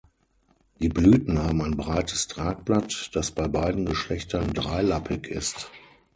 Die Blüten haben ein breites Tragblatt, das bei beiden Geschlechtern dreilappig ist.